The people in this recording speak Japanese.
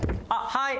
はい。